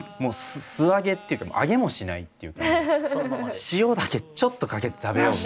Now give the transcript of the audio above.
素揚げっていうか揚げもしないっていうか塩だけちょっとかけて食べよう。